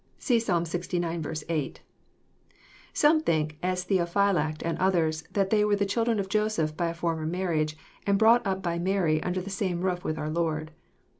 (See Psalm Ixix. 8.) — Some think, as Theophylact and others, that they were the children of Joseph by a former marriage, and brought up by Mary under the same roof with our Lord.